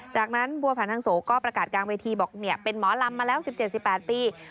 จากนั้นบัวผันทางโสก็ประกาศกลางเวทีบอกเป็นหมอลำมาแล้ว๑๗๑๘ปี